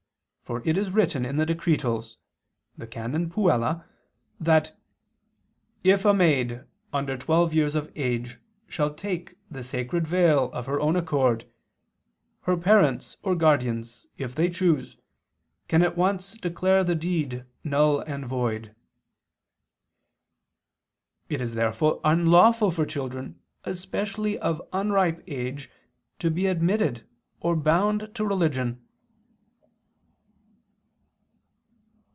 For it is written in the Decretals (XX, qu. ii, can. Puella) that "if a maid under twelve years of age shall take the sacred veil of her own accord, her parents or guardians, if they choose, can at once declare the deed null and void." It is therefore unlawful for children, especially of unripe age, to be admitted or bound to religion.